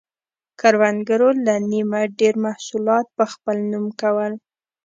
کروندګرو له نییمه ډېر محصولات په خپل نوم کول.